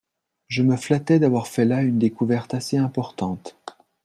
Je me flattais d'avoir fait la une découverte assez importante.